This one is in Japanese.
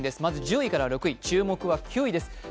まず１０位から６位、注目は９位です。